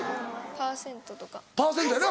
パーセントやな。